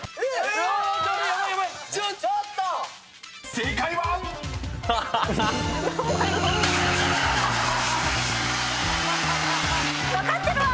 ［正解は⁉］分かってるわ！